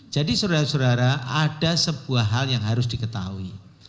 jadi saudara saudara ada sebuah hal yang harus diketahui